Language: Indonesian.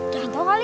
jangan tahu kali